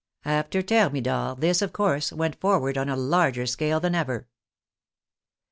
After Thermidor, this, of course, went forward on a larger scale than ever.